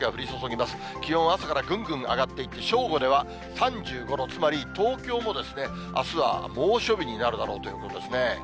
気温は朝からぐんぐん上がっていって、正午では３５度、つまり、東京もあすは猛暑日になるだろうということですね。